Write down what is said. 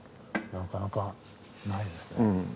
なかなかないですね。